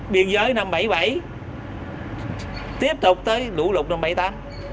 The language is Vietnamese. biên giới năm bảy mươi bảy tiếp tục tới lũ lục năm bảy mươi tám